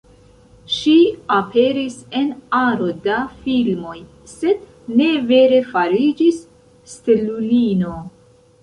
Ŝi aperis en aro da filmoj, sed ne vere fariĝis stelulino.